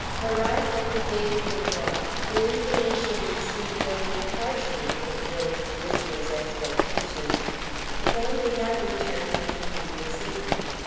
Arrived at the gate of the villa, the information received only partially fulfilled the visitor's expectations. The family had returned on the previous evening.